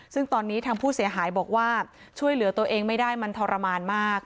ซึ่งตอนนี้ทางผู้เสียหายบอกว่าช่วยเหลือตัวเองไม่ได้มันทรมานมาก